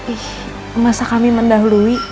ih masa kami mendahului